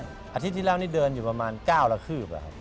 อาทิตย์ที่แล้วนี่เดินอยู่ประมาณ๙ละคืบ